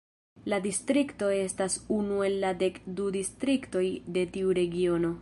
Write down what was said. La distrikto estas unu el la dek du distriktoj de tiu Regiono.